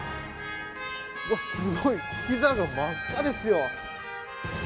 すごい、ピザが真っ赤ですよ。